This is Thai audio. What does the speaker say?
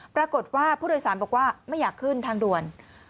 ปรากฏว่าผู้โดยสารบอกว่าไม่อยากขึ้นทางด่วน